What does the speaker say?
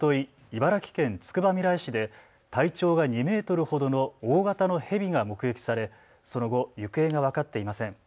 茨城県つくばみらい市で体長が２メートルほどの大型のヘビが目撃されその後、行方が分かっていません。